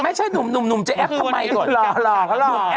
ไม่ใช่หนุ่มจะแอปเขาใหม่ก่อนหล่อเขาหล่อ